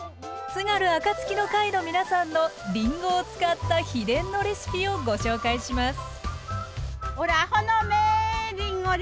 津軽あかつきの会の皆さんのりんごを使った秘伝のレシピをご紹介します